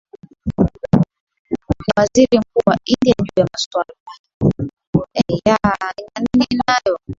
na waziri mkuu wa india juu ya maswala